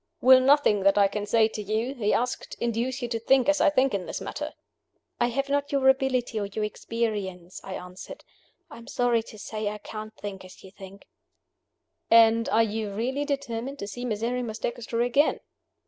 "Will nothing that I can say to you," he asked, "induce you to think as I think in this matter?" "I have not your ability or your experience," I answered. "I am sorry to say I can't think as you think." "And you are really determined to see Miserrimus Dexter again?"